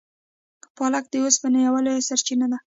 پالک د اوسپنې یوه لویه سرچینه ده.